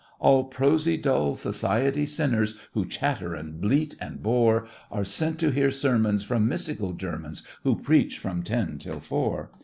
All prosy dull society sinners, Who chatter and bleat and bore, Are sent to hear sermons From mystical Germans Who preach from ten till four.